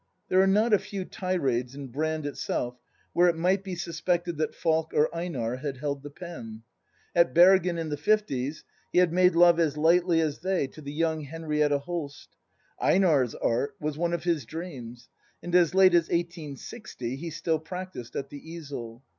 There are not a few tirades in Brand itself,, where it might be suspected that Falk or Einar had held the pen. At Bergen, in the fifties, he had made love as lightly as they to the young Henrietta Hoist; Einar's art was one of his dreams; and as late as 1860 he still practised at the easel.